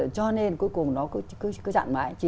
cho nên cuối cùng nó cứ chặn mãi